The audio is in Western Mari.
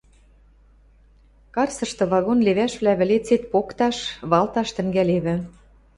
Карсышты вагон левӓшвлӓ вӹлецет покташ, валташ тӹнгӓлевӹ.